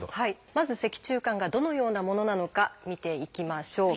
まず脊柱管がどのようなものなのか見ていきましょう。